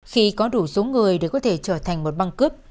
khi có đủ số người để có thể trở thành một băng cướp